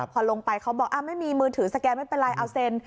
พอลงไปเขาบอกไม่มีมือถือสแกนไม่เป็นไรเอาเซ็น